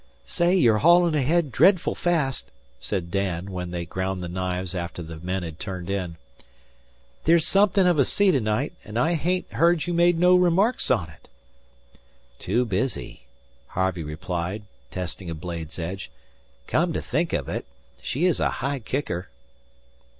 "Say, you're haulin' ahead dretful fast," said Dan, when they ground the knives after the men had turned in. "There's somethin' of a sea to night, an' I hain't heard you make no remarks on it." "Too busy," Harvey replied, testing a blade's edge. "Come to think of it, she is a high kicker."